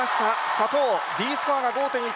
左トウＤスコアが５．１。